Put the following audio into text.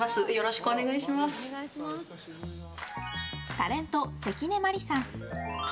タレント関根麻里さん。